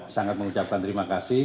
sangat mengucapkan terima kasih